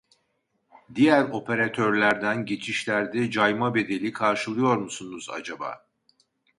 Diğer operatörlerden geçişlerde cayma bedeli karşılıyor musunuz acaba?